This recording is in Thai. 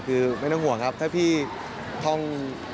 คือไม่ต้องห่วงครับถ้าพี่ท่อง